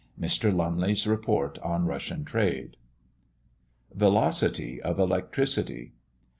Mr. Lumley's Report on Russian Trade. VELOCITY OF ELECTRICITY.